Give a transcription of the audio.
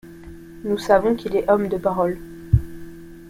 Nous savons qu’il est homme de parole...